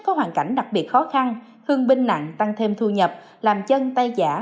có hoàn cảnh đặc biệt khó khăn hương binh nặng tăng thêm thu nhập làm chân tay giả